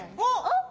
あっ！